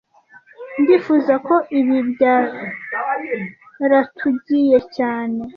Ndifuza ko ibi byaratugiye cyane